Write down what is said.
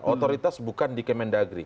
otoritas bukan di kemendagri